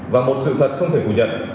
và một sự thật không thể phủ nhận